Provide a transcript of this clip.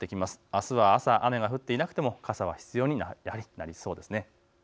あすは朝、雨が降っていなくても傘は必要になりそうです。